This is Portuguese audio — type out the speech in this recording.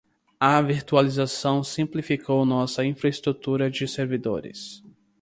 A virtualização simplificou nossa infraestrutura de servidores.